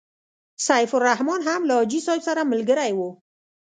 سیف الرحمن هم له حاجي صاحب سره ملګری وو.